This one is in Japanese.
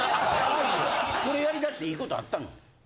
これやりだして良いことあったの？